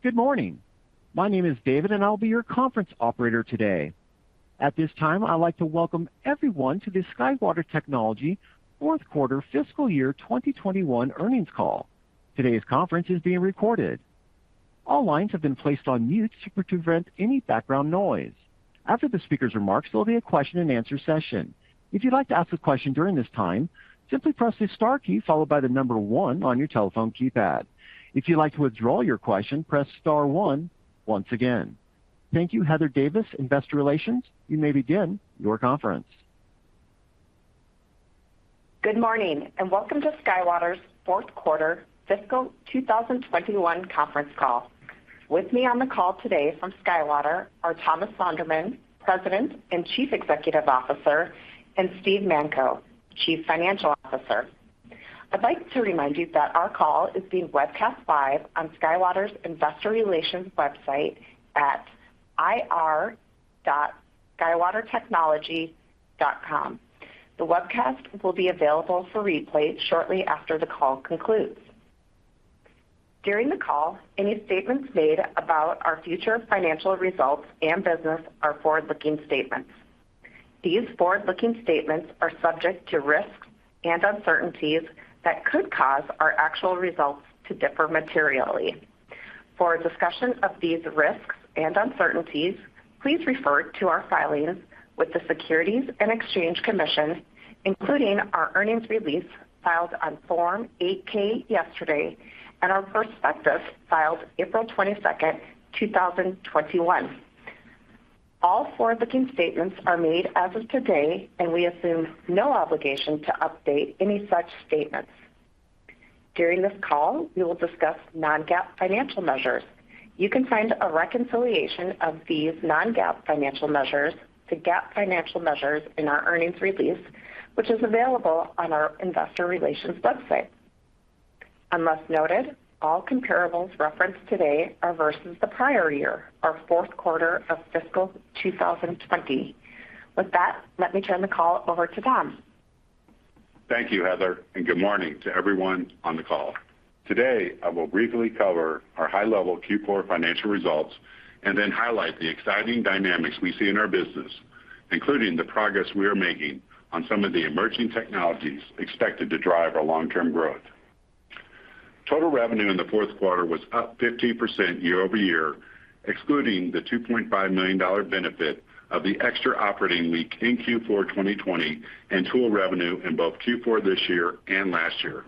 Good morning. My name is David, and I'll be your conference operator today. At this time, I'd like to welcome everyone to the SkyWater Technology fourth quarter fiscal year 2021 earnings call. Today's conference is being recorded. All lines have been placed on mute to prevent any background noise. After the speaker's remarks, there'll be a question-and-answer session. If you'd like to ask a question during this time, simply press the star key followed by the number 1 on your telephone keypad. If you'd like to withdraw your question, press star 1 once again. Thank you, Heather Davis, Investor Relations. You may begin your conference. Good morning, and welcome to SkyWater's fourth quarter fiscal 2021 conference call. With me on the call today from SkyWater are Thomas Sonderman, President and Chief Executive Officer, and Steve Manko, Chief Financial Officer. I'd like to remind you that our call is being webcast live on SkyWater's Investor Relations website at ir.skywatertechnology.com. The webcast will be available for replay shortly after the call concludes. During the call, any statements made about our future financial results and business are forward-looking statements. These forward-looking statements are subject to risks and uncertainties that could cause our actual results to differ materially. For a discussion of these risks and uncertainties, please refer to our filings with the Securities and Exchange Commission, including our earnings release filed on Form 8-K yesterday and our prospectus filed April 22, 2021. All forward-looking statements are made as of today, and we assume no obligation to update any such statements. During this call, we will discuss non-GAAP financial measures. You can find a reconciliation of these non-GAAP financial measures to GAAP financial measures in our earnings release, which is available on our investor relations website. Unless noted, all comparables referenced today are versus the prior year, our fourth quarter of fiscal 2020. With that, let me turn the call over to Tom. Thank you, Heather, and good morning to everyone on the call. Today, I will briefly cover our high-level Q4 financial results and then highlight the exciting dynamics we see in our business, including the progress we are making on some of the emerging technologies expected to drive our long-term growth. Total revenue in the fourth quarter was up 15% year-over-year, excluding the $2.5 million benefit of the extra operating week in Q4 2020 and tool revenue in both Q4 this year and last year.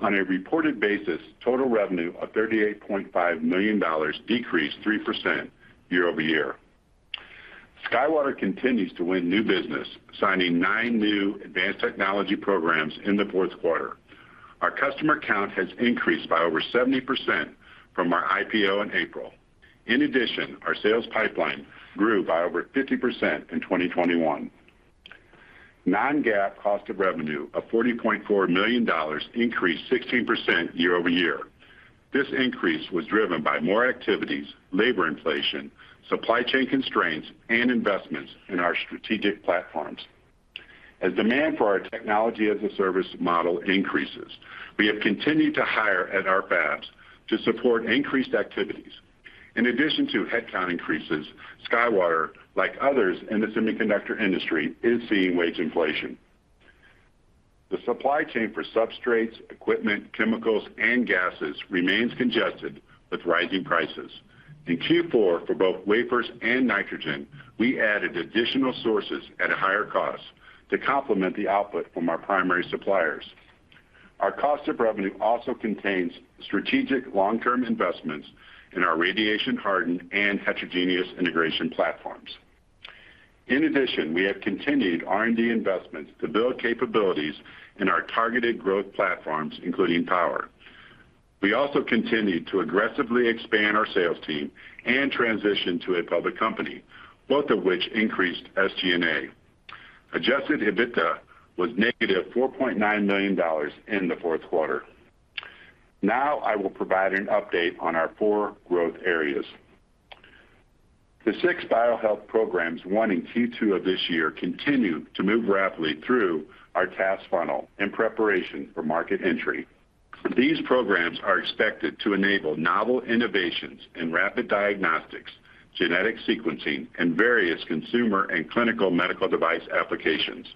On a reported basis, total revenue of $38.5 million decreased 3% year-over-year. SkyWater continues to win new business, signing nine new advanced technology programs in the fourth quarter. Our customer count has increased by over 70% from our IPO in April. In addition, our sales pipeline grew by over 50% in 2021. non-GAAP cost of revenue of $40.4 million increased 16% year-over-year. This increase was driven by more activities, labor inflation, supply chain constraints, and investments in our strategic platforms. As demand for our Technology as a Service model increases, we have continued to hire at our fabs to support increased activities. In addition to headcount increases, SkyWater, like others in the semiconductor industry, is seeing wage inflation. The supply chain for substrates, equipment, chemicals, and gases remains congested with rising prices. In Q4, for both wafers and nitrogen, we added additional sources at a higher cost to complement the output from our primary suppliers. Our cost of revenue also contains strategic long-term investments in our radiation hardened and heterogeneous integration platforms. In addition, we have continued R&D investments to build capabilities in our targeted growth platforms, including power. We also continued to aggressively expand our sales team and transition to a public company, both of which increased SG&A. Adjusted EBITDA was negative $4.9 million in the fourth quarter. Now I will provide an update on our four growth areas. The six biohealth programs won in Q2 of this year continue to move rapidly through our TaaS funnel in preparation for market entry. These programs are expected to enable novel innovations in rapid diagnostics, genetic sequencing, and various consumer and clinical medical device applications.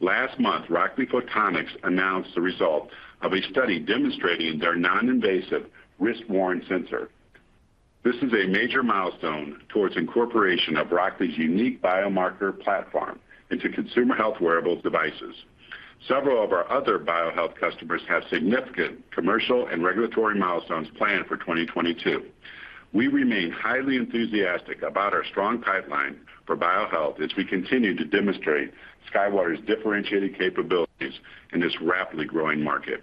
Last month, Rockley Photonics announced the result of a study demonstrating their non-invasive wrist-worn sensor. This is a major milestone towards incorporation of Rockley's unique biomarker platform into consumer health wearables devices. Several of our other biohealth customers have significant commercial and regulatory milestones planned for 2022. We remain highly enthusiastic about our strong pipeline for biohealth as we continue to demonstrate SkyWater's differentiated capabilities in this rapidly growing market.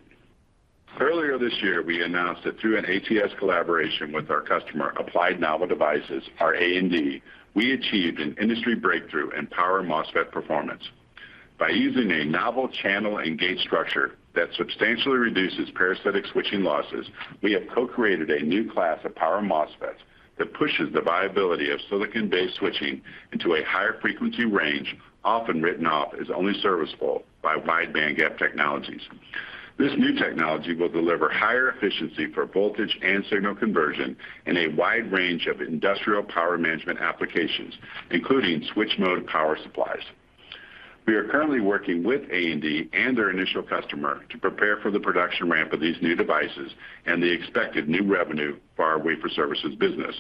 Earlier this year, we announced that through an ATS collaboration with our customer, Applied Novel Devices or AND, we achieved an industry breakthrough in power MOSFET performance. By using a novel channel and gate structure that substantially reduces parasitic switching losses, we have co-created a new class of power MOSFET that pushes the viability of silicon-based switching into a higher frequency range, often written off as only serviceable by wide bandgap technologies. This new technology will deliver higher efficiency for voltage and signal conversion in a wide range of industrial power management applications, including switch-mode power supplies. We are currently working with A&D and their initial customer to prepare for the production ramp of these new devices and the expected new revenue for our wafer services business.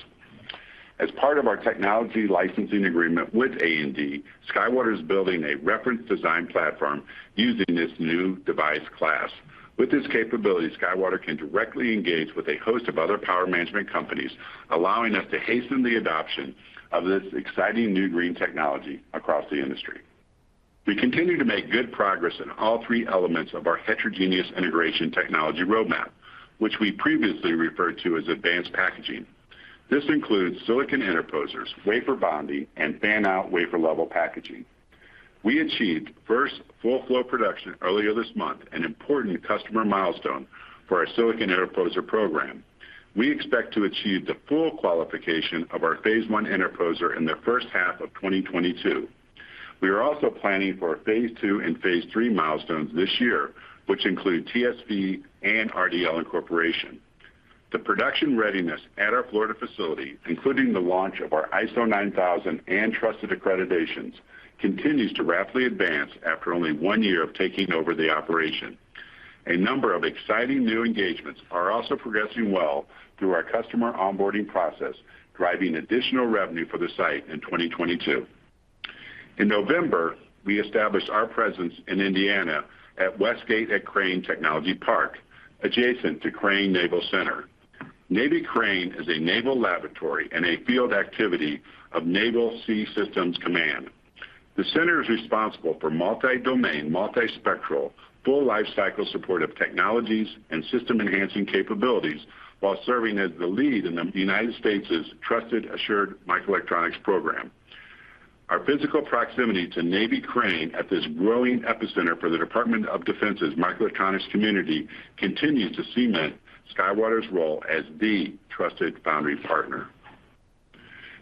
As part of our technology licensing agreement with A&D, SkyWater is building a reference design platform using this new device class. With this capability, SkyWater can directly engage with a host of other power management companies, allowing us to hasten the adoption of this exciting new green technology across the industry. We continue to make good progress in all three elements of our heterogeneous integration technology roadmap, which we previously referred to as advanced packaging. This includes silicon interposers, wafer bonding, and fan-out wafer-level packaging. We achieved first full flow production earlier this month, an important customer milestone for our silicon interposer program. We expect to achieve the full qualification of our phase one interposer in the first half of 2022. We are also planning for phase two and phase three milestones this year, which include TSV and RDL incorporation. The production readiness at our Florida facility, including the launch of our ISO 9001 and trusted accreditations, continues to rapidly advance after only one year of taking over the operation. A number of exciting new engagements are also progressing well through our customer onboarding process, driving additional revenue for the site in 2022. In November, we established our presence in Indiana at WestGate at Crane Technology Park, adjacent to Naval Surface Warfare Center, Crane Division. Naval Surface Warfare Center, Crane Division is a naval laboratory and a field activity of Naval Sea Systems Command. The center is responsible for multi-domain, multi-spectral, full lifecycle support of technologies and systems-enhancing capabilities while serving as the lead in the U.S. Trusted and Assured Microelectronics program. Our physical proximity to Naval Surface Warfare Center, Crane Division at this growing epicenter for the Department of Defense's microelectronics community continues to cement SkyWater's role as the trusted foundry partner.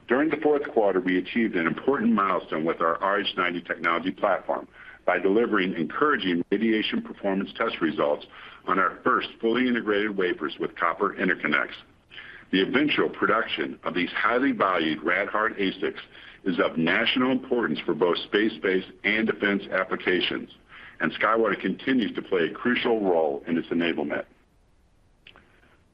During the fourth quarter, we achieved an important milestone with our RH90 technology platform by delivering encouraging radiation performance test results on our first fully integrated wafers with copper interconnects. The eventual production of these highly valued rad-hard ASICs is of national importance for both space-based and defense applications, and SkyWater continues to play a crucial role in its enablement.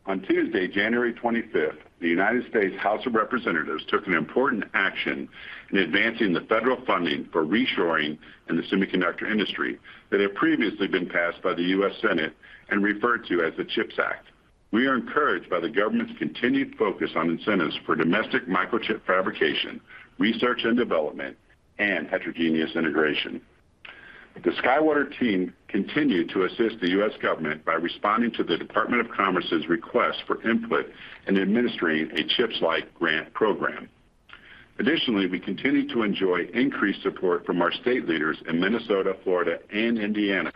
On Tuesday, January 25, the United States House of Representatives took an important action in advancing the federal funding for reshoring in the semiconductor industry that had previously been passed by the U.S. Senate and referred to as the CHIPS Act. We are encouraged by the government's continued focus on incentives for domestic microchip fabrication, research and development, and heterogeneous integration. The SkyWater team continued to assist the U.S. government by responding to the Department of Commerce's request for input in administering a CHIPS-like grant program. Additionally, we continue to enjoy increased support from our state leaders in Minnesota, Florida, and Indiana,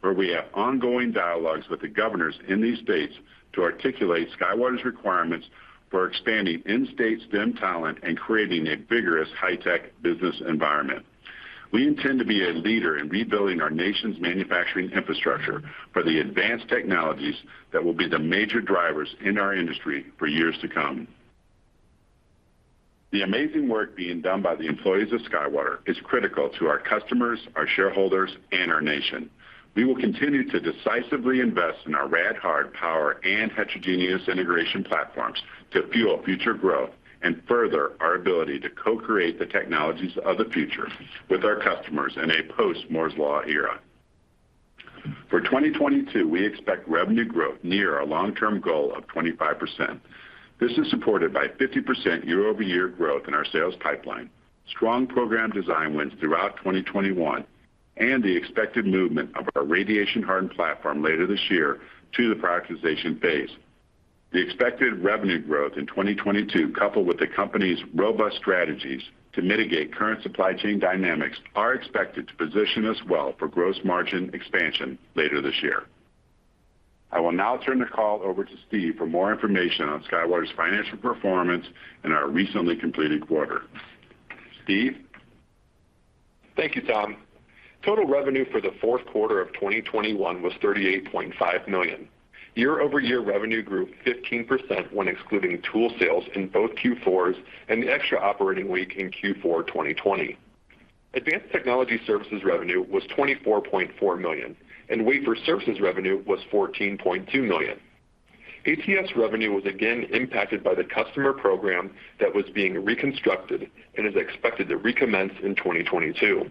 where we have ongoing dialogues with the governors in these states to articulate SkyWater's requirements for expanding in-state STEM talent and creating a vigorous high-tech business environment. We intend to be a leader in rebuilding our nation's manufacturing infrastructure for the advanced technologies that will be the major drivers in our industry for years to come. The amazing work being done by the employees of SkyWater is critical to our customers, our shareholders, and our nation. We will continue to decisively invest in our rad-hard power and heterogeneous integration platforms to fuel future growth and further our ability to co-create the technologies of the future with our customers in a post-Moore's Law era. For 2022, we expect revenue growth near our long-term goal of 25%. This is supported by 50% year-over-year growth in our sales pipeline, strong program design wins throughout 2021, and the expected movement of our radiation hardened platform later this year to the prioritization phase. The expected revenue growth in 2022, coupled with the company's robust strategies to mitigate current supply chain dynamics, are expected to position us well for gross margin expansion later this year. I will now turn the call over to Steve for more information on SkyWater's financial performance in our recently completed quarter. Steve? Thank you, Tom. Total revenue for the fourth quarter of 2021 was $38.5 million. Year-over-year revenue grew 15% when excluding tool sales in both Q4s and the extra operating week in Q4 2020. Advanced Technology Services revenue was $24.4 million, and Wafer Services revenue was $14.2 million. ATS revenue was again impacted by the customer program that was being reconstructed and is expected to recommence in 2022.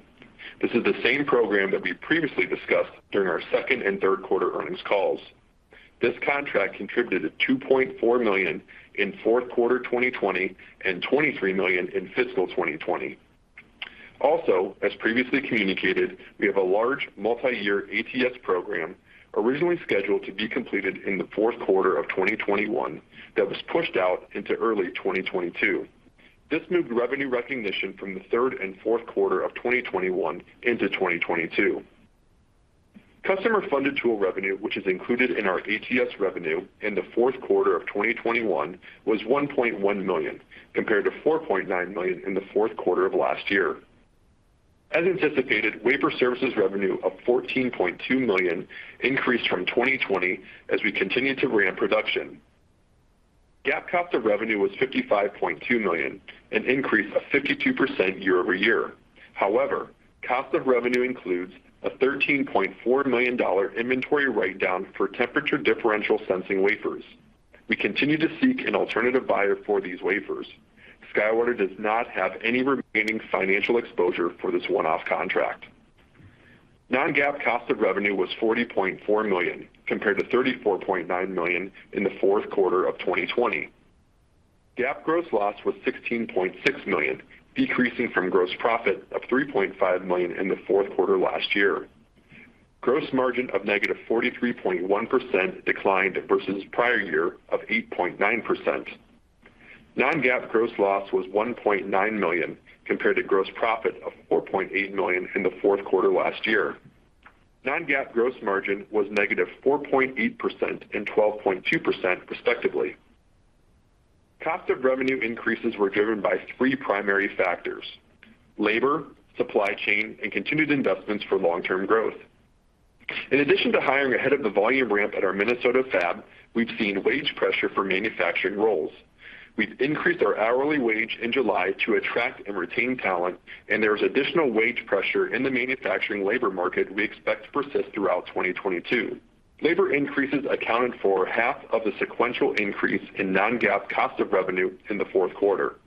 This is the same program that we previously discussed during our second and third quarter earnings calls. This contract contributed to $2.4 million in fourth quarter 2020 and $23 million in fiscal 2020. Also, as previously communicated, we have a large multi-year ATS program originally scheduled to be completed in the fourth quarter of 2021 that was pushed out into early 2022. This moved revenue recognition from the third and fourth quarter of 2021 into 2022. Customer funded tool revenue, which is included in our ATS revenue in the fourth quarter of 2021 was $1.1 million compared to $4.9 million in the fourth quarter of last year. As anticipated, wafer services revenue of $14.2 million increased from 2020 as we continue to ramp production. GAAP cost of revenue was $55.2 million, an increase of 52% year-over-year. However, cost of revenue includes a $13.4 million inventory write-down for temperature differential sensing wafers. We continue to seek an alternative buyer for these wafers. SkyWater does not have any remaining financial exposure for this one-off contract. Non-GAAP cost of revenue was $40.4 million compared to $34.9 million in the fourth quarter of 2020. GAAP gross loss was $16.6 million, decreasing from gross profit of $3.5 million in the fourth quarter last year. Gross margin of -43.1% declined versus prior year of 8.9%. non-GAAP gross loss was $1.9 million compared to gross profit of $4.8 million in the fourth quarter last year. non-GAAP gross margin was -4.8% and 12.2% respectively. Cost of revenue increases were driven by three primary factors. Labor, supply chain, and continued investments for long-term growth. In addition to hiring ahead of the volume ramp at our Minnesota fab, we've seen wage pressure for manufacturing roles. We've increased our hourly wage in July to attract and retain talent, and there's additional wage pressure in the manufacturing labor market we expect to persist throughout 2022. Labor increases accounted for half of the sequential increase in non-GAAP cost of revenue in the fourth quarter.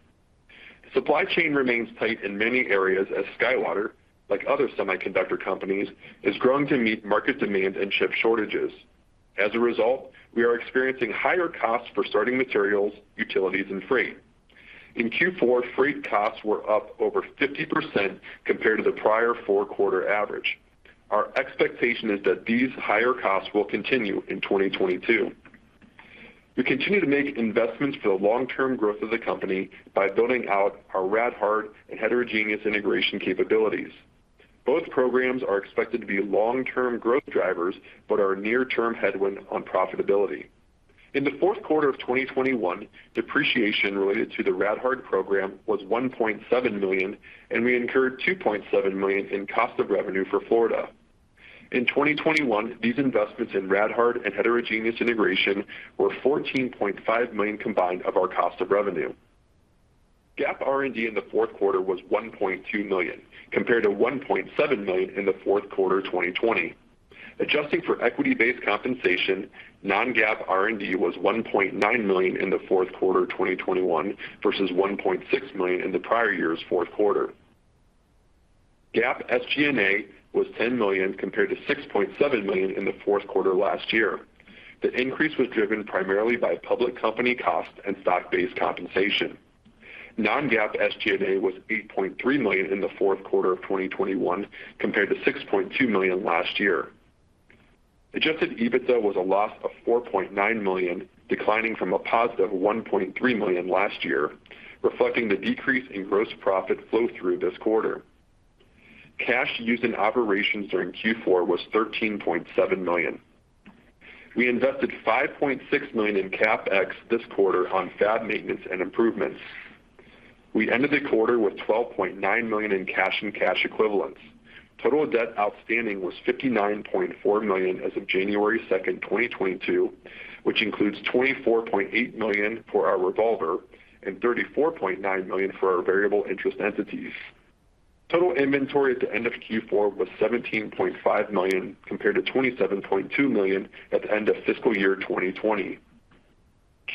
Supply chain remains tight in many areas as SkyWater, like other semiconductor companies, is growing to meet market demand and ship shortages. As a result, we are experiencing higher costs for starting materials, utilities, and freight. In Q4, freight costs were up over 50% compared to the prior four-quarter average. Our expectation is that these higher costs will continue in 2022. We continue to make investments for the long-term growth of the company by building out our RadHard and heterogeneous integration capabilities. Both programs are expected to be long-term growth drivers, but are a near-term headwind on profitability. In the fourth quarter of 2021, depreciation related to the RadHard program was $1.7 million, and we incurred $2.7 million in cost of revenue for Florida. In 2021, these investments in RadHard and heterogeneous integration were $14.5 million combined of our cost of revenue. GAAP R&D in the fourth quarter was $1.2 million, compared to $1.7 million in the fourth quarter 2020. Adjusting for equity-based compensation, non-GAAP R&D was $1.9 million in the fourth quarter 2021 versus $1.6 million in the prior year's fourth quarter. GAAP SG&A was $10 million compared to $6.7 million in the fourth quarter last year. The increase was driven primarily by public company costs and stock-based compensation. Non-GAAP SG&A was $8.3 million in the fourth quarter of 2021 compared to $6.2 million last year. Adjusted EBITDA was a loss of $4.9 million, declining from a positive $1.3 million last year, reflecting the decrease in gross profit flow through this quarter. Cash used in operations during Q4 was $13.7 million. We invested $5.6 million in CapEx this quarter on fab maintenance and improvements. We ended the quarter with $12.9 million in cash and cash equivalents. Total debt outstanding was $59.4 million as of January 2, 2022, which includes $24.8 million for our revolver and $34.9 million for our variable interest entities. Total inventory at the end of Q4 was $17.5 million, compared to $27.2 million at the end of fiscal year 2020.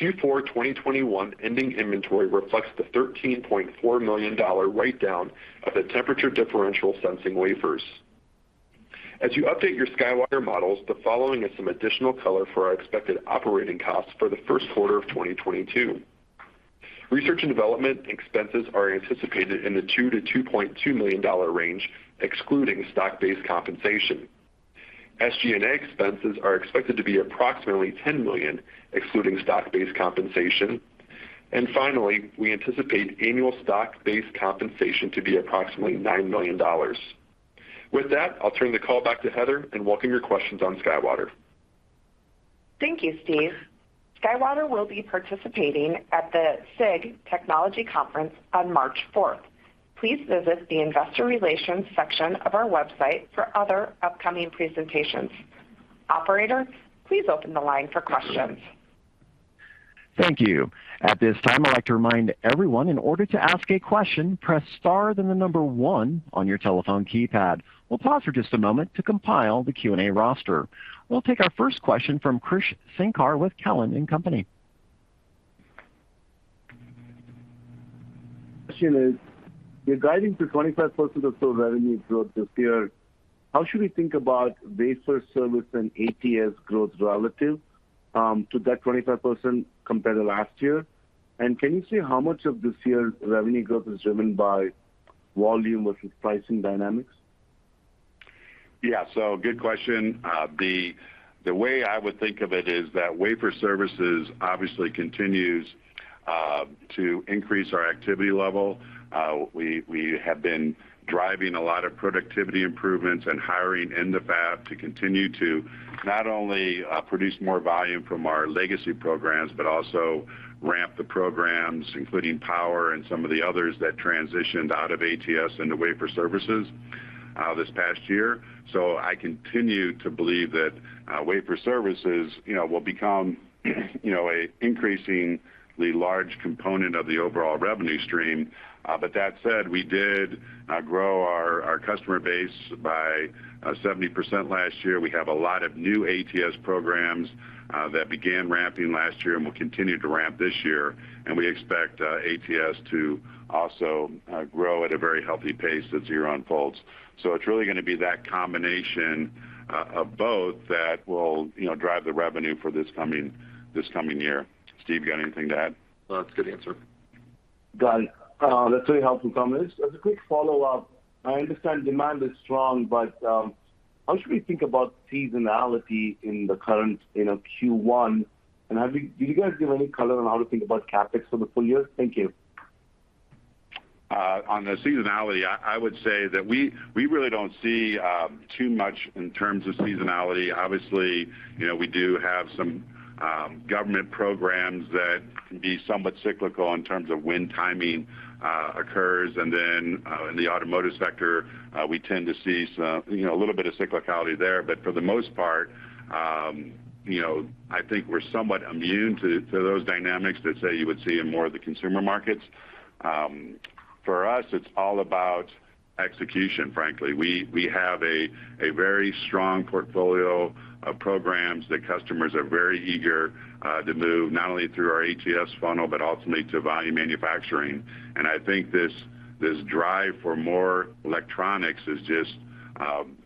Q4 2021 ending inventory reflects the $13.4 million write-down of the temperature differential sensing wafers. As you update your SkyWater models, the following is some additional color for our expected operating costs for the first quarter of 2022. Research and development expenses are anticipated in the $2 million-$2.2 million range, excluding stock-based compensation. SG&A expenses are expected to be approximately $10 million, excluding stock-based compensation. Finally, we anticipate annual stock-based compensation to be approximately $9 million. With that, I'll turn the call back to Heather, and welcome your questions on SkyWater. Thank you, Steve. SkyWater will be participating at the SIG Technology Conference on March fourth. Please visit the investor relations section of our website for other upcoming presentations. Operator, please open the line for questions. Thank you. At this time, I'd like to remind everyone in order to ask a question, press star then the number one on your telephone keypad. We'll pause for just a moment to compile the Q&A roster. We'll take our first question from Krish Sankar with Cowen and Company. Question is, you're guiding to 25% of total revenue growth this year. How should we think about wafer service and ATS growth relative to that 25% compared to last year? Can you say how much of this year's revenue growth is driven by volume versus pricing dynamics? Yeah. Good question. The way I would think of it is that wafer services obviously continues to increase our activity level. We have been driving a lot of productivity improvements and hiring in the fab to continue to not only produce more volume from our legacy programs, but also ramp the programs, including power and some of the others that transitioned out of ATS into wafer services this past year. I continue to believe that wafer services, you know, will become, you know, an increasingly large component of the overall revenue stream. That said, we did grow our customer base by 70% last year. We have a lot of new ATS programs that began ramping last year and will continue to ramp this year. We expect ATS to also grow at a very healthy pace as the year unfolds. It's really gonna be that combination of both that will, you know, drive the revenue for this coming year. Steve, you got anything to add? That's a good answer. Got it. That's really helpful, Tom. As a quick follow-up, I understand demand is strong, but how should we think about seasonality in the current, you know, Q1? Do you guys give any color on how to think about CapEx for the full year? Thank you. On the seasonality, I would say that we really don't see too much in terms of seasonality. Obviously, you know, we do have some government programs that can be somewhat cyclical in terms of when timing occurs. Then, in the automotive sector, we tend to see some, you know, a little bit of cyclicality there. For the most part, you know, I think we're somewhat immune to those dynamics that, say, you would see in more of the consumer markets. For us, it's all about execution, frankly. We have a very strong portfolio of programs that customers are very eager to move not only through our ATS funnel, but ultimately to volume manufacturing. I think this drive for more electronics is just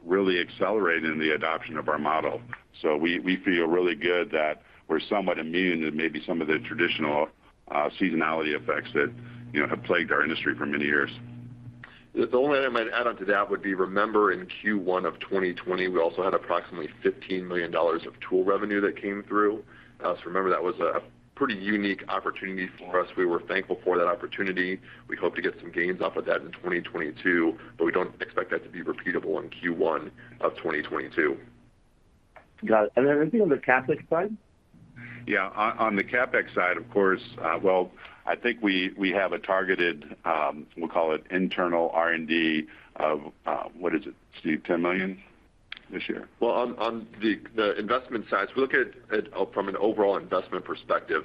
really accelerating the adoption of our model. We feel really good that we're somewhat immune to maybe some of the traditional seasonality effects that, you know, have plagued our industry for many years. The only thing I might add on to that would be, remember in Q1 of 2020, we also had approximately $15 million of tool revenue that came through. Remember that was a pretty unique opportunity for us. We were thankful for that opportunity. We hope to get some gains off of that in 2022, but we don't expect that to be repeatable in Q1 of 2022. Got it. Anything on the CapEx side? Yeah. On the CapEx side, of course, well, I think we have a targeted, we'll call it internal R&D of, what is it, Steve, $10 million this year? Well, on the investment side, we look at it from an overall investment perspective.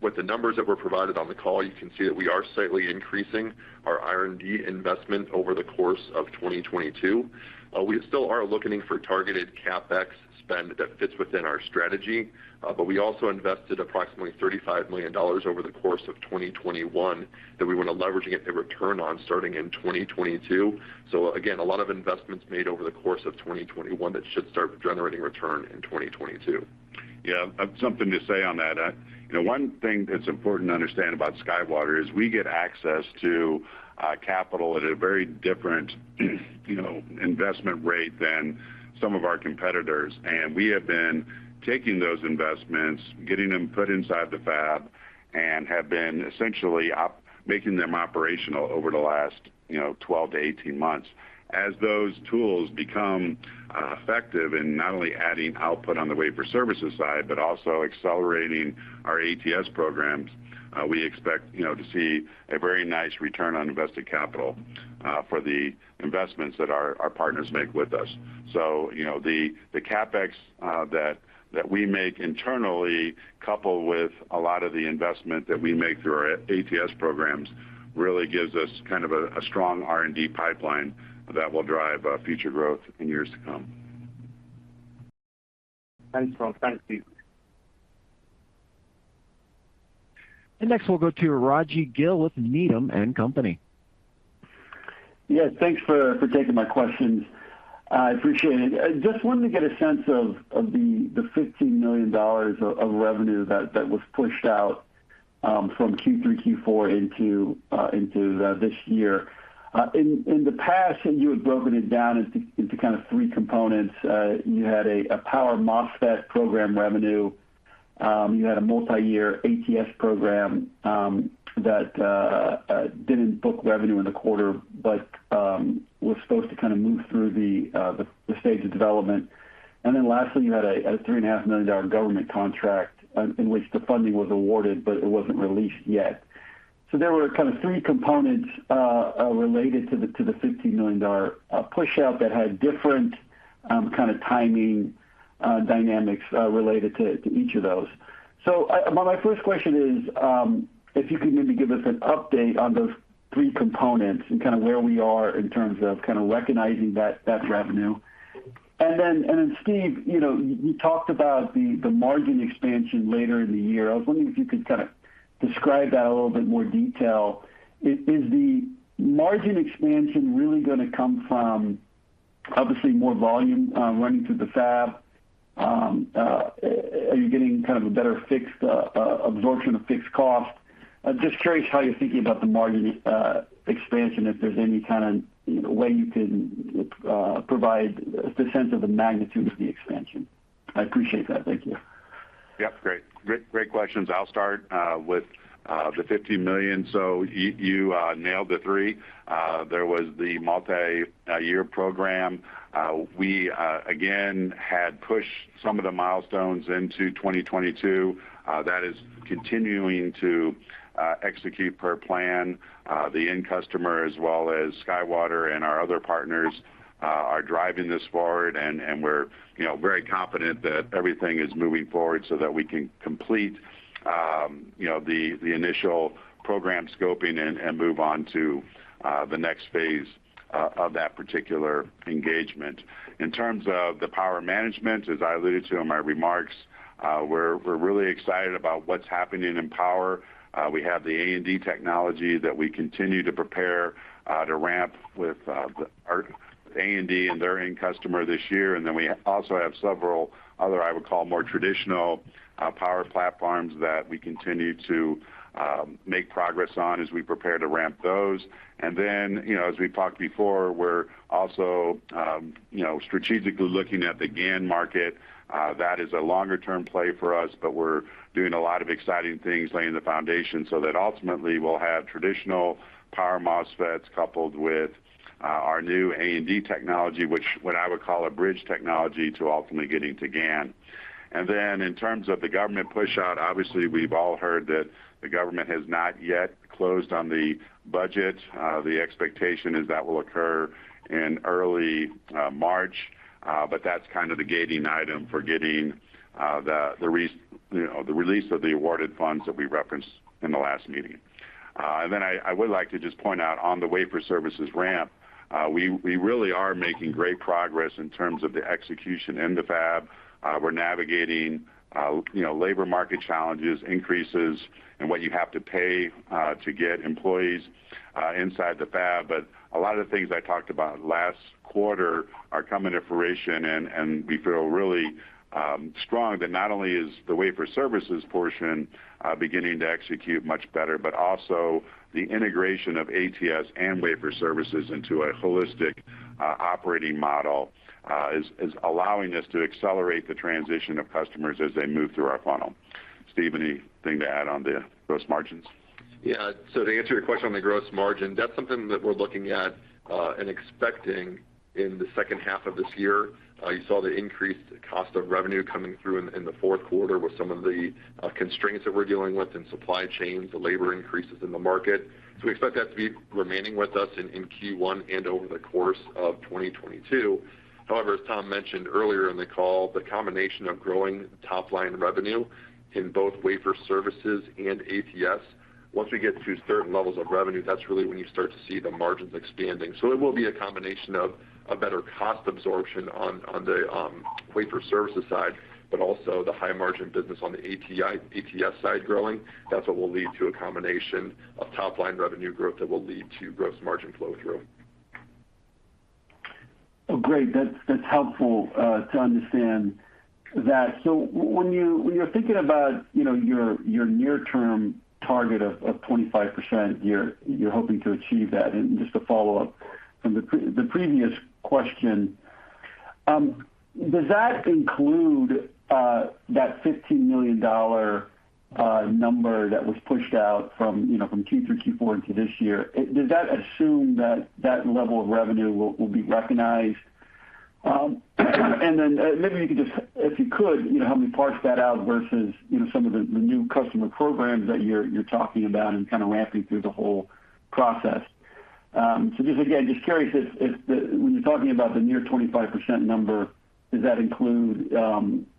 With the numbers that were provided on the call, you can see that we are slightly increasing our R&D investment over the course of 2022. We still are looking for targeted CapEx spend that fits within our strategy. We also invested approximately $35 million over the course of 2021 that we want to leverage a return on starting in 2022. Again, a lot of investments made over the course of 2021 that should start generating return in 2022. Yeah. I have something to say on that. You know, one thing that's important to understand about SkyWater is we get access to capital at a very different, you know, investment rate than some of our competitors. We have been taking those investments, getting them put inside the fab, and have been essentially making them operational over the last, you know, 12-18 months. As those tools become effective in not only adding output on the wafer services side, but also accelerating our ATS programs, we expect, you know, to see a very nice return on invested capital for the investments that our partners make with us. You know, the CapEx that we make internally coupled with a lot of the investment that we make through our ATS programs really gives us kind of a strong R&D pipeline that will drive future growth in years to come. Thanks, Tom. Thanks, Steve. Next, we'll go to Rajvindra Gill with Needham & Company. Yes, thanks for taking my questions. I appreciate it. I just wanted to get a sense of the $15 million of revenue that was pushed out from Q3, Q4 into this year. In the past, you had broken it down into kind of three components. You had a power MOSFET program revenue. You had a multi-year ATS program that didn't book revenue in the quarter, but was supposed to kind of move through the stage of development. Then lastly, you had a $3.5 million government contract in which the funding was awarded, but it wasn't released yet. There were kind of three components related to the $15 million push out that had different kind of timing dynamics related to each of those. My first question is, if you could maybe give us an update on those three components and kind of where we are in terms of kind of recognizing that revenue. Steve, you know, you talked about the margin expansion later in the year. I was wondering if you could kind of describe that in a little bit more detail. Is the margin expansion really gonna come from obviously more volume running through the fab? Are you getting kind of a better fixed absorption of fixed cost? I'm just curious how you're thinking about the margin expansion, if there's any kind of way you can provide the sense of the magnitude of the expansion. I appreciate that. Thank you. Yep. Great questions. I'll start with the $50 million. So you nailed the three. There was the multi-year program. We again had pushed some of the milestones into 2022. That is continuing to execute per plan. The end customer, as well as SkyWater and our other partners, are driving this forward, and we're, you know, very confident that everything is moving forward so that we can complete, you know, the initial program scoping and move on to the next phase of that particular engagement. In terms of the power management, as I alluded to in my remarks, we're really excited about what's happening in power. We have the A&D technology that we continue to prepare to ramp with our A&D and their end customer this year. Then we also have several other, I would call more traditional, power platforms that we continue to make progress on as we prepare to ramp those. You know, as we talked before, we're also, you know, strategically looking at the GaN market. That is a longer-term play for us, but we're doing a lot of exciting things laying the foundation so that ultimately we'll have traditional power MOSFETs coupled with our new A&D technology, which I would call a bridge technology to ultimately getting to GaN. In terms of the government pushout, obviously, we've all heard that the government has not yet closed on the budget. The expectation is that will occur in early March, but that's kind of the gating item for getting you know, the release of the awarded funds that we referenced in the last meeting. Then I would like to just point out on the wafer services ramp, we really are making great progress in terms of the execution in the fab. We're navigating you know, labor market challenges, increases in what you have to pay to get employees inside the fab. A lot of the things I talked about last quarter are coming to fruition, and we feel really strong that not only is the wafer services portion beginning to execute much better, but also the integration of ATS and wafer services into a holistic operating model is allowing us to accelerate the transition of customers as they move through our funnel. Steve, anything to add on the gross margins? Yeah. To answer your question on the gross margin, that's something that we're looking at and expecting in the second half of this year. You saw the increased cost of revenue coming through in the fourth quarter with some of the constraints that we're dealing with in supply chains, the labor increases in the market. We expect that to be remaining with us in Q1 and over the course of 2022. However, as Tom mentioned earlier in the call, the combination of growing top line revenue in both wafer services and ATS, once we get to certain levels of revenue, that's really when you start to see the margins expanding. It will be a combination of a better cost absorption on the wafer services side, but also the high margin business on the ATS side growing. That's what will lead to a combination of top line revenue growth that will lead to gross margin flow through. Oh, great. That's helpful to understand that. When you're thinking about, you know, your near term target of 25%, you're hoping to achieve that. Just to follow up from the previous question, does that include that $15 million number that was pushed out from, you know, Q3, Q4 into this year? Does that assume that level of revenue will be recognized? Maybe you could, you know, help me parse that out versus, you know, some of the new customer programs that you're talking about and kind of ramping through the whole process. Just again curious if, when you're talking about the near 25% number, does that include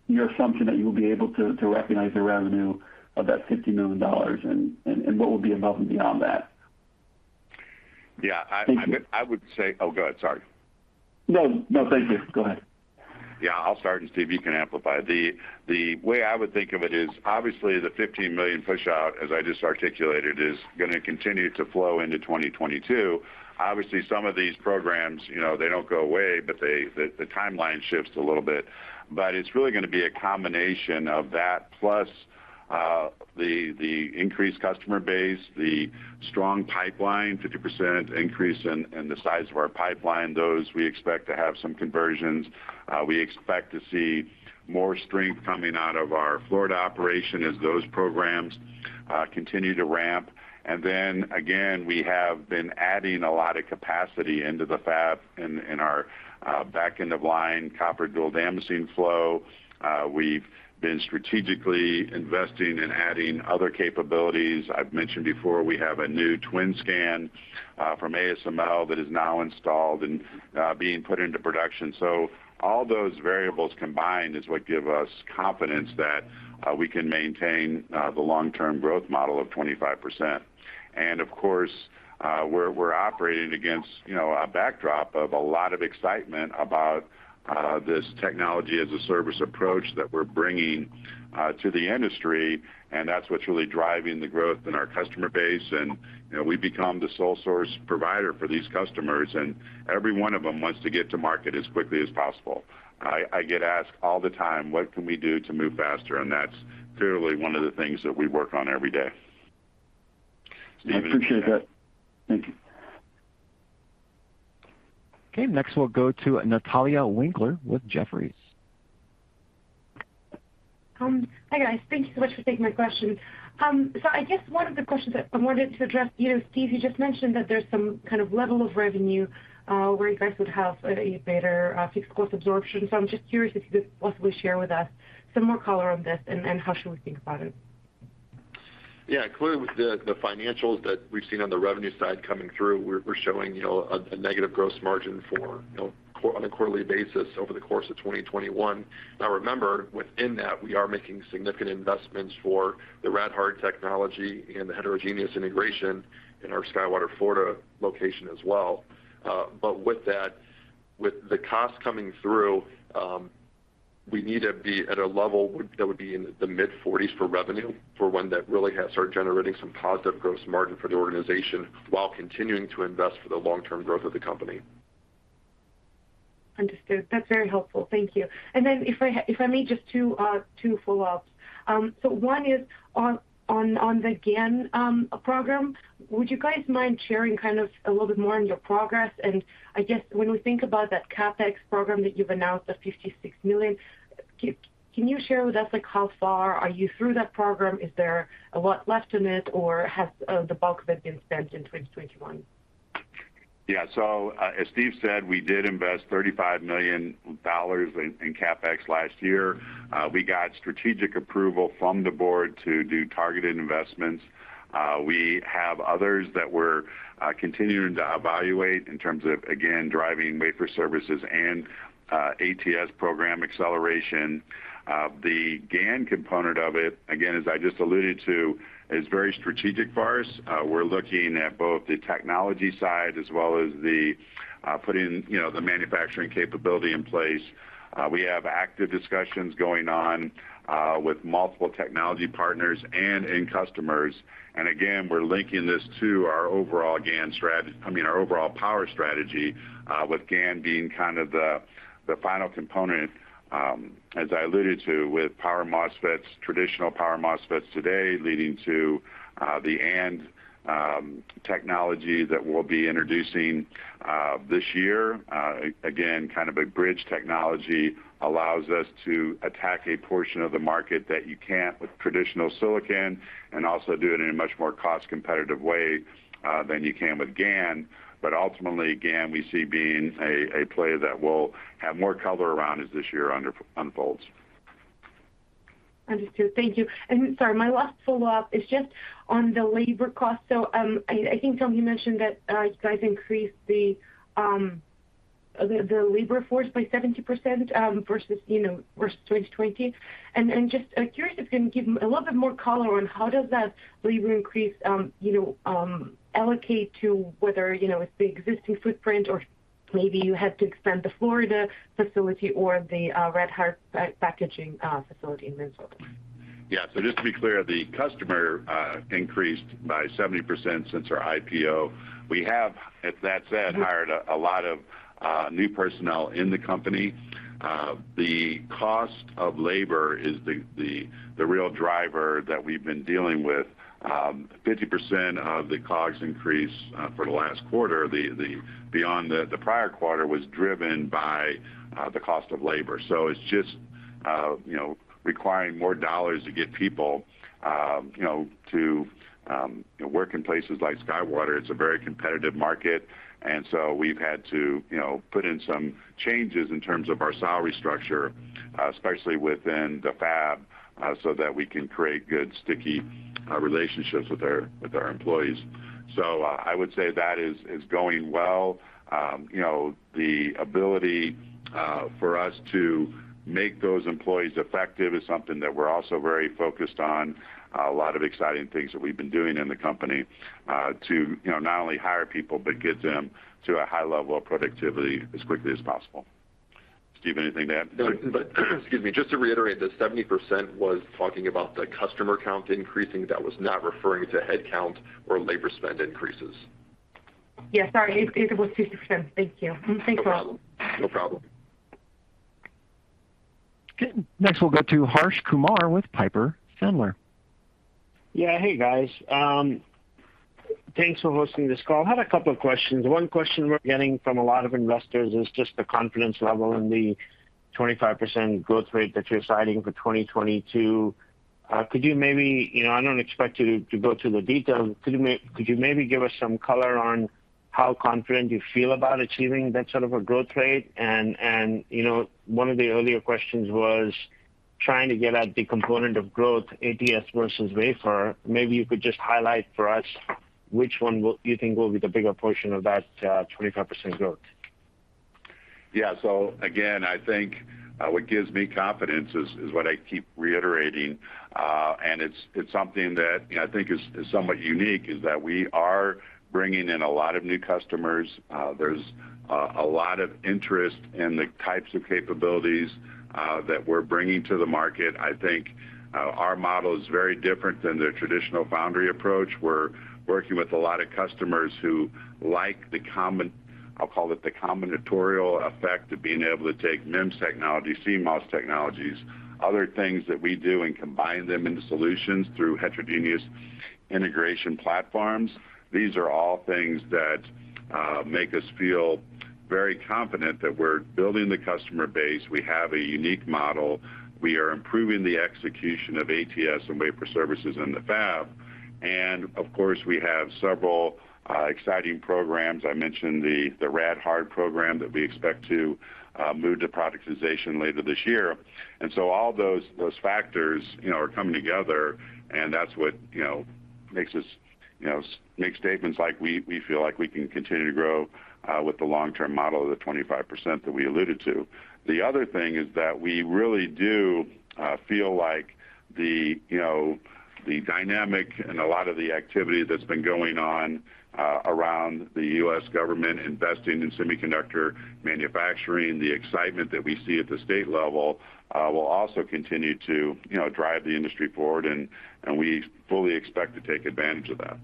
your assumption that you will be able to recognize the revenue of that $50 million and what will be above and beyond that? Yeah. Thank you. I would say. Oh, go ahead, sorry. No, no, thank you. Go ahead. Yeah, I'll start, and Steve, you can amplify. The way I would think of it is, obviously the $15 million pushout, as I just articulated, is gonna continue to flow into 2022. Obviously, some of these programs, you know, they don't go away, but the timeline shifts a little bit. It's really gonna be a combination of that plus the increased customer base, the strong pipeline, 50% increase in the size of our pipeline. Those we expect to have some conversions. We expect to see more strength coming out of our Florida operation as those programs continue to ramp. Then again, we have been adding a lot of capacity into the fab in our back end of line copper dual damascene flow. We've been strategically investing in adding other capabilities. I've mentioned before we have a new TWINSCAN from ASML that is now installed and being put into production. All those variables combined is what give us confidence that we can maintain the long-term growth model of 25%. Of course, we're operating against, you know, a backdrop of a lot of excitement about this Technology as a Service approach that we're bringing to the industry, and that's what's really driving the growth in our customer base. You know, we've become the sole source provider for these customers, and every one of them wants to get to market as quickly as possible. I get asked all the time, "What can we do to move faster?" That's clearly one of the things that we work on every day. I appreciate that. Thank you. Okay, next we'll go to Natalia Winkler with Jefferies. Hi, guys. Thank you so much for taking my question. I guess one of the questions that I wanted to address you, Steve. You just mentioned that there's some kind of level of revenue where you guys would have a better fixed cost absorption. I'm just curious if you could possibly share with us some more color on this and how should we think about it. Yeah. Clearly, with the financials that we've seen on the revenue side coming through, we're showing, you know, a negative gross margin for, you know, on a quarterly basis over the course of 2021. Now remember, within that, we are making significant investments for the RadHard technology and the heterogeneous integration in our SkyWater Florida location as well. With that, with the cost coming through, we need to be at a level that would be in the mid-forties for revenue for when that really has started generating some positive gross margin for the organization while continuing to invest for the long-term growth of the company. Understood. That's very helpful. Thank you. If I may, just two follow-ups. One is on the GaN program. Would you guys mind sharing kind of a little bit more on your progress? I guess when we think about that CapEx program that you've announced of $56 million, can you share with us, like, how far are you through that program? Is there a lot left in it, or has the bulk of it been spent in 2021? Yeah. As Steve said, we did invest $35 million in CapEx last year. We got strategic approval from the board to do targeted investments. We have others that we're continuing to evaluate in terms of, again, driving wafer services and ATS program acceleration. The GaN component of it, again, as I just alluded to, is very strategic for us. We're looking at both the technology side as well as the putting, you know, the manufacturing capability in place. We have active discussions going on with multiple technology partners and end customers. Again, we're linking this to our overall GaN strategy, I mean, our overall power strategy, with GaN being kind of the final component, as I alluded to, with power MOSFETs, traditional power MOSFETs today leading to the A&D technology that we'll be introducing this year. Again, kind of a bridge technology allows us to attack a portion of the market that you can't with traditional silicon and also do it in a much more cost competitive way than you can with GaN. Ultimately, GaN we see being a play that will have more color around it this year as it unfolds. Understood. Thank you. Sorry, my last follow-up is just on the labor cost. I think Tom mentioned that you guys increased the labor force by 70% versus 2020. Just curious if you can give a little bit more color on how does that labor increase allocate to whether you know it's the existing footprint or maybe you had to expand the Florida facility or the rad-hard packaging facility in Minnesota. Yeah. Just to be clear, the customers increased by 70% since our IPO. We have, that said, hired a lot of new personnel in the company. The cost of labor is the real driver that we've been dealing with. 50% of the COGS increase for the last quarter beyond the prior quarter was driven by the cost of labor. It's just you know, requiring more dollars to get people you know, to work in places like SkyWater. It's a very competitive market, and so we've had to you know, put in some changes in terms of our salary structure especially within the fab so that we can create good, sticky relationships with our employees. I would say that is going well. You know, the ability for us to make those employees effective is something that we're also very focused on. A lot of exciting things that we've been doing in the company to, you know, not only hire people but get them to a high level of productivity as quickly as possible. Steve, anything to add? No. Excuse me. Just to reiterate, the 70% was talking about the customer count increasing. That was not referring to headcount or labor spend increases. Yeah, sorry. It was 2%. Thank you. Thanks a lot. No problem. No problem. Okay, next we'll go to Harsh Kumar with Piper Sandler. Yeah. Hey, guys. Thanks for hosting this call. I have a couple of questions. One question we're getting from a lot of investors is just the confidence level in the 25% growth rate that you're citing for 2022. Could you maybe, you know, I don't expect you to go through the details. Could you maybe give us some color on how confident you feel about achieving that sort of a growth rate? And you know, one of the earlier questions was trying to get at the component of growth, ATS versus wafer. Maybe you could just highlight for us which one you think will be the bigger portion of that 25% growth. Yeah. Again, I think what gives me confidence is what I keep reiterating, and it's something that, you know, I think is somewhat unique, that we are bringing in a lot of new customers. There's a lot of interest in the types of capabilities that we're bringing to the market. I think our model is very different than the traditional foundry approach. We're working with a lot of customers who like the combinatorial effect of being able to take MEMS technology, CMOS technologies, other things that we do, and combine them into solutions through heterogeneous integration platforms. These are all things that make us feel very confident that we're building the customer base. We have a unique model. We are improving the execution of ATS and wafer services in the fab. Of course, we have several exciting programs. I mentioned the rad-hard program that we expect to move to productization later this year. All those factors, you know, are coming together, and that's what, you know, makes us, you know, make statements like we feel like we can continue to grow with the long-term model of the 25% that we alluded to. The other thing is that we really do feel like you know the dynamic and a lot of the activity that's been going on around the U.S. government investing in semiconductor manufacturing, the excitement that we see at the state level will also continue to, you know, drive the industry forward, and we fully expect to take advantage of that.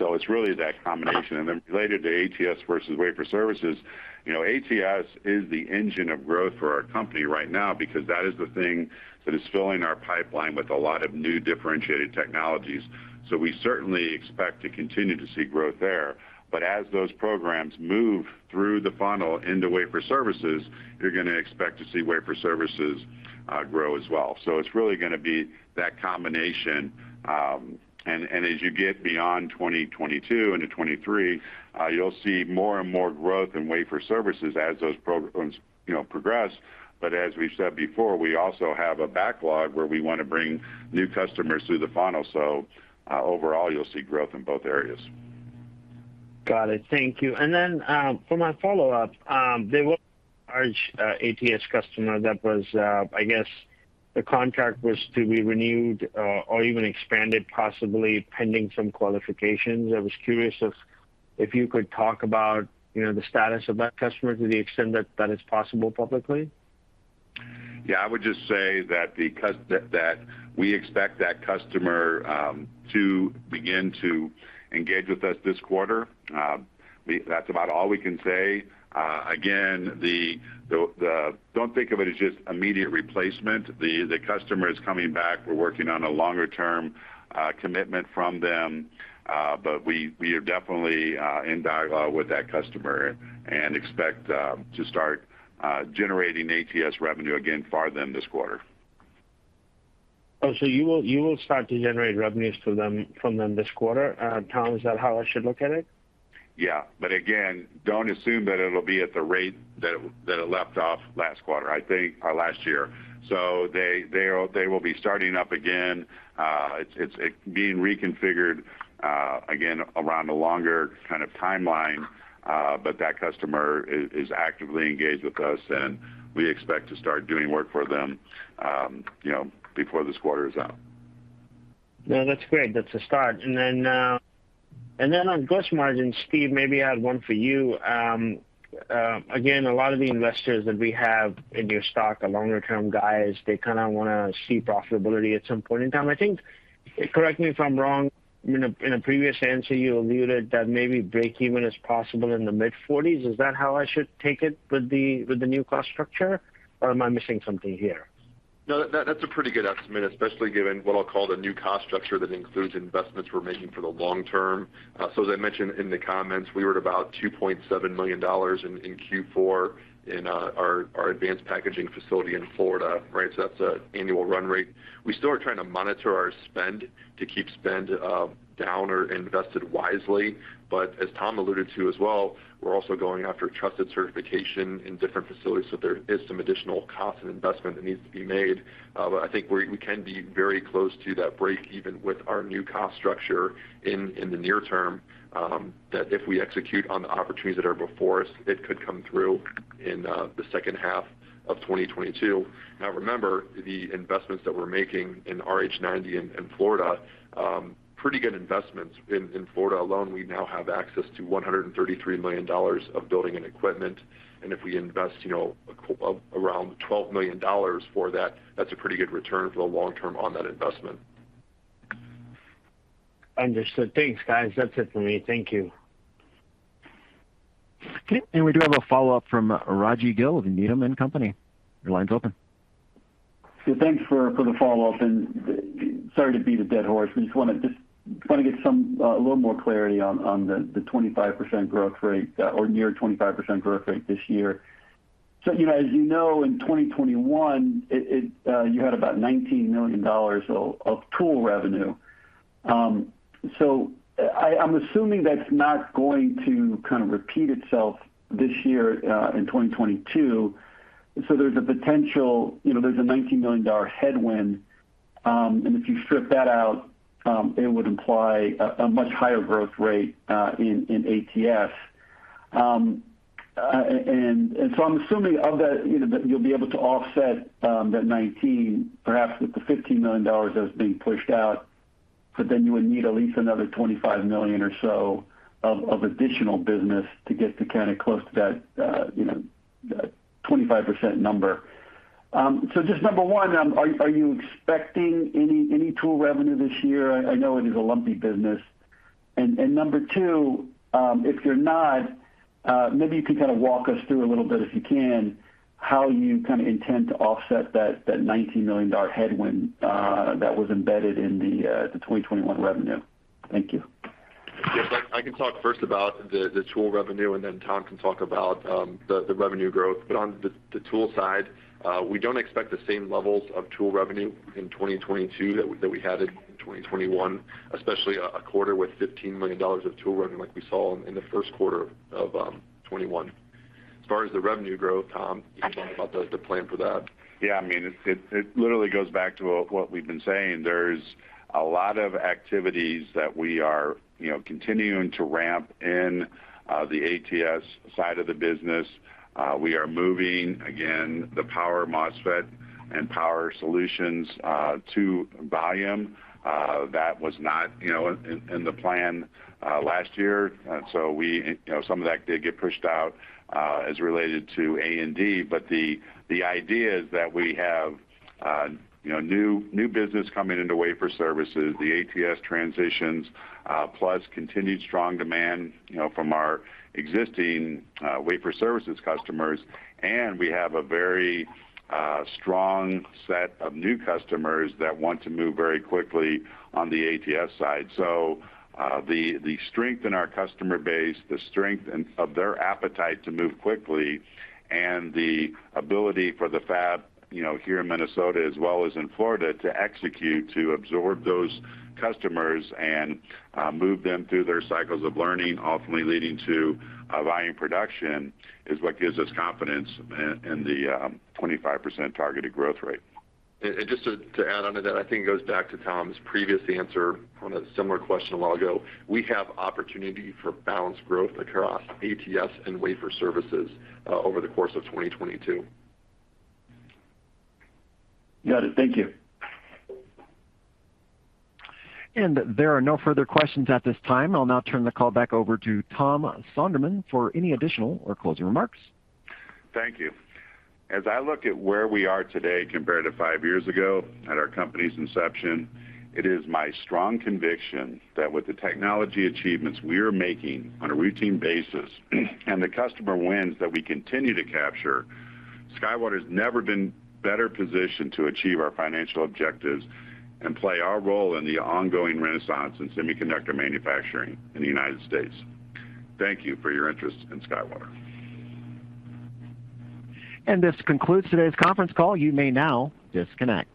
It's really that combination. Then related to ATS versus wafer services, you know, ATS is the engine of growth for our company right now because that is the thing that is filling our pipeline with a lot of new differentiated technologies. We certainly expect to continue to see growth there. As those programs move through the funnel into wafer services, you're gonna expect to see wafer services grow as well. It's really gonna be that combination, and as you get beyond 2022 into 2023, you'll see more and more growth in wafer services as those programs, you know, progress. As we said before, we also have a backlog where we wanna bring new customers through the funnel. Overall, you'll see growth in both areas. Got it. Thank you. For my follow-up, there were large ATS customer that was, I guess the contract was to be renewed or even expanded, possibly pending some qualifications. I was curious if you could talk about, you know, the status of that customer to the extent that that is possible publicly. Yeah, I would just say that we expect that customer to begin to engage with us this quarter. That's about all we can say. Again, don't think of it as just immediate replacement. The customer is coming back. We're working on a longer-term commitment from them, but we are definitely in dialogue with that customer and expect to start generating ATS revenue again for them this quarter. Oh, you will start to generate revenues from them this quarter, Tom. Is that how I should look at it? Yeah. Again, don't assume that it'll be at the rate that it left off last quarter, I think, or last year. They will be starting up again. It's being reconfigured again around a longer kind of timeline, but that customer is actively engaged with us, and we expect to start doing work for them, you know, before this quarter is out. No, that's great. That's a start. On gross margin, Steve, maybe I have one for you. Again, a lot of the investors that we have in your stock are longer term guys. They kind of wanna see profitability at some point in time. I think, correct me if I'm wrong, in a previous answer, you alluded that maybe breakeven is possible in the mid-forties. Is that how I should take it with the new cost structure, or am I missing something here? No, that's a pretty good estimate, especially given what I'll call the new cost structure that includes investments we're making for the long term. So as I mentioned in the comments, we were at about $2.7 million in Q4 in our advanced packaging facility in Florida, right? So that's an annual run rate. We still are trying to monitor our spend to keep spend down or invested wisely. As Tom alluded to as well, we're also going after trusted certification in different facilities, so there is some additional cost and investment that needs to be made. I think we can be very close to that breakeven with our new cost structure in the near term, that if we execute on the opportunities that are before us, it could come through in the second half of 2022. Now remember, the investments that we're making in RH90 in Florida, pretty good investments. In Florida alone, we now have access to $133 million of building and equipment, and if we invest, you know, around $12 million for that's a pretty good return for the long term on that investment. Understood. Thanks, guys. That's it for me. Thank you. Okay. We do have a follow-up from Rajvindra Gill of Needham & Company. Your line's open. Yeah, thanks for the follow-up, and sorry to beat a dead horse, but just wanna get some a little more clarity on the 25% growth rate or near 25% growth rate this year. As you know, in 2021, you had about $19 million of tool revenue. I'm assuming that's not going to kind of repeat itself this year in 2022. There's a $19 million headwind, and if you strip that out, it would imply a much higher growth rate in ATS. I'm assuming of that, you know, that you'll be able to offset that $19 perhaps with the $15 million that was being pushed out, but then you would need at least another $25 million or so of additional business to get to kind of close to that, you know, 25% number. Just number one, are you expecting any tool revenue this year? I know it is a lumpy business. Number two, if you're not, maybe you can kind of walk us through a little bit, if you can, how you kind of intend to offset that $19 million dollar headwind that was embedded in the 2021 revenue. Thank you. Yes. I can talk first about the tool revenue, and then Tom can talk about the revenue growth. On the tool side, we don't expect the same levels of tool revenue in 2022 that we had in 2021, especially a quarter with $15 million of tool revenue like we saw in the first quarter of 2021. As far as the revenue growth, Tom, you can talk about the plan for that. Yeah. I mean, it literally goes back to what we've been saying. There's a lot of activities that we are, you know, continuing to ramp in the ATS side of the business. We are moving, again, the power MOSFET and power solutions to volume that was not, you know, in the plan last year. We, you know, some of that did get pushed out as related to A&D. The idea is that we have, you know, new business coming into wafer services, the ATS transitions plus continued strong demand, you know, from our existing wafer services customers. We have a very strong set of new customers that want to move very quickly on the ATS side. The strength in our customer base, the strength of their appetite to move quickly, and the ability for the fab, you know, here in Minnesota as well as in Florida to execute, to absorb those customers and move them through their cycles of learning, ultimately leading to volume production, is what gives us confidence in the 25% targeted growth rate. Just to add onto that, I think it goes back to Tom's previous answer on a similar question a while ago. We have opportunity for balanced growth across ATS and wafer services over the course of 2022. Got it. Thank you. There are no further questions at this time. I'll now turn the call back over to Tom Sonderman for any additional or closing remarks. Thank you. As I look at where we are today compared to five years ago at our company's inception, it is my strong conviction that with the technology achievements we are making on a routine basis and the customer wins that we continue to capture, SkyWater's never been better positioned to achieve our financial objectives and play our role in the ongoing renaissance in semiconductor manufacturing in the United States. Thank you for your interest in SkyWater. This concludes today's conference call. You may now disconnect.